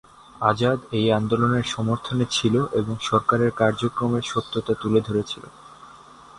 আজাদ এই আন্দোলনের সমর্থনে ছিলো এবং সরকারের কার্যক্রমের সত্যতা তুলে ধরছিলো।